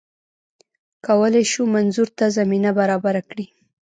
کولای شو منظور ته زمینه برابره کړي